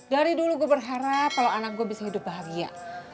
dari dulu gue berharap kalau anak gue bisa hidup bahagia